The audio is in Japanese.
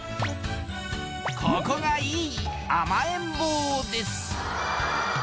ここがいい甘えん坊です